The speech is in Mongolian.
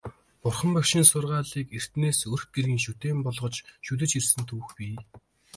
Бурхан Багшийн сургаалыг эртнээс өрх гэрийн шүтээн болгож шүтэж ирсэн түүх бий.